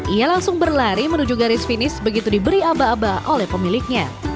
ia langsung berlari menuju garis finish begitu diberi aba aba oleh pemiliknya